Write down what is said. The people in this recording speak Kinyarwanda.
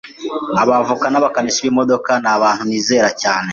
Abavoka n'abakanishi b'imodoka ni abantu nizera cyane.